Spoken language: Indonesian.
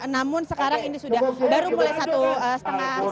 namun sekarang ini sudah baru mulai satu tiga puluh sebelas siang